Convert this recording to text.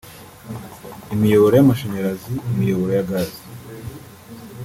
imiyoboro y’amashanyarazi imiyoboro ya gazi